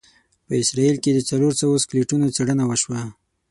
په اسرایل کې د څلوروسوو سکلیټونو څېړنه وشوه.